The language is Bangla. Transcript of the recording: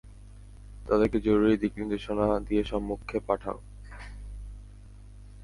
তাদেরকে জরুরী দিক-নির্দেশনা দিয়ে সম্মুখে পাঠাও।